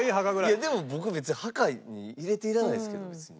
いやでも僕別に墓に入れていらないですけど別に。